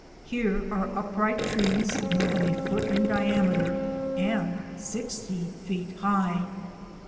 Here are upright trees more than a foot in diameter and 60 feet high.